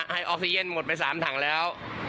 ให้ออกซิเจนาลมดไป๓ถังแล้ว